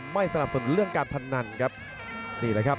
ไม่สนับสนุนเรื่องการพนันครับนี่แหละครับ